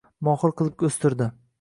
Mohir qilib o’stirdi…